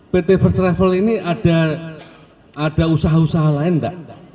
pt first travel ini ada usaha usaha lain nggak